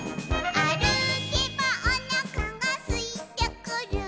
「あるけばおなかがすいてくる」